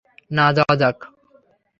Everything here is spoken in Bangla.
না যাওয়া যাক।